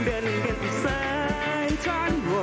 เดินเงินเสริมทั้งโปร